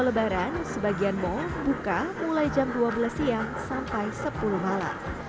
lebaran sebagian mal buka mulai jam dua belas siang sampai sepuluh malam